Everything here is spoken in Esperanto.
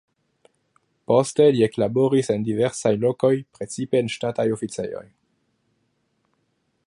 Poste li eklaboris en diversaj lokoj, precipe en ŝtataj oficejoj.